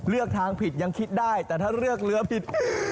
เลือกทางผิดยังคิดได้แต่ถ้าเลือกเรือผิด